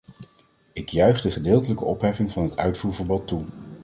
Ik juich de gedeeltelijke opheffing van het uitvoerverbod toe.